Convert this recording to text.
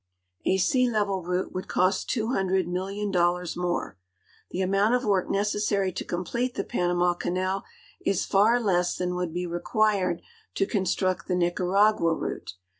A sea level route would cost 82< M ),( M )0,000 more. 1'lie amount of work necessary to complete the Fanama canal is far le.ss than would be required to construct the Nicaragua route.